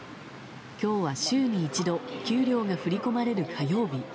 今日は週に一度給料が振り込まれる火曜日。